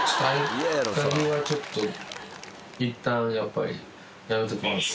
合鍵はちょっといったんやっぱりやめときます。